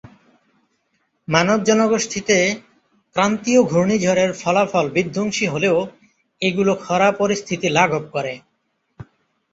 মানব জনগোষ্ঠীতে ক্রান্তীয় ঘূর্ণিঝড়ের ফলাফল বিধ্বংসী হলেও, এগুলো খরা পরিস্থিতি লাঘব করে।